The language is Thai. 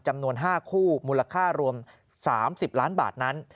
จำนวน๕คู่มูลค่ารวม๓๐ล้านบาทนั้น